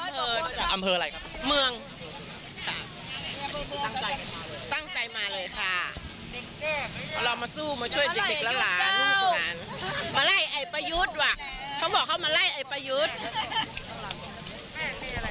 เอาประยุทธ์ว่ะเขาบอกเขามาไล่ไอ้ประยุทธ์